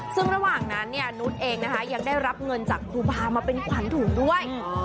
ซึ่งระหว่างนั้นเนี่ยนุษย์เองนะคะยังได้รับเงินจากครูบามาเป็นขวัญถุงด้วย